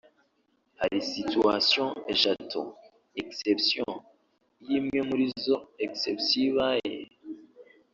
hari situations eshatu ( exceptions) iyo imwe muri izo exceptions ibaye